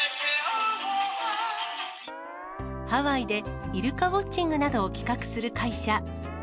ハワイでイルカウォッチングなどを企画する会社。